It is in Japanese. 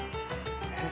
えっ？